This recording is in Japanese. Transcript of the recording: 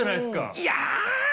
いや。